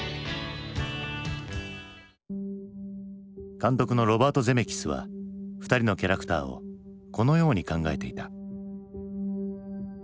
監督のロバート・ゼメキスは２人のキャラクターをこのように考えていた。